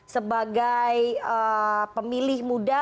sebagai pemilih muda